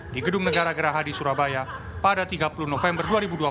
di gedung negara geraha di surabaya pada tiga puluh november dua ribu dua puluh